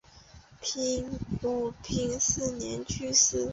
武平四年去世。